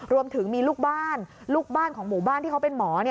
รวมถึงมีลูกบ้านลูกบ้านของหมู่บ้านที่เขาเป็นหมอ